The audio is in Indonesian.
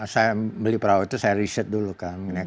saya beli perahu itu saya riset dulu kan